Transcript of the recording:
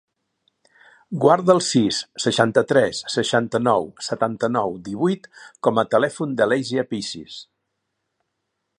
Guarda el sis, seixanta-tres, seixanta-nou, setanta-nou, divuit com a telèfon de l'Assia Peces.